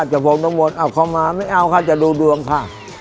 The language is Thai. พบน้ำมนต์เอาเข้ามาไม่เอาค่ะจะดูดวงค่ะ